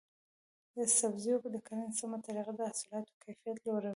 د سبزیو د کرنې سمه طریقه د حاصلاتو کیفیت لوړوي.